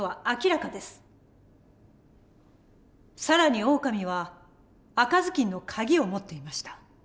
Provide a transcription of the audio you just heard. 更にオオカミは赤ずきんのカギを持っていました。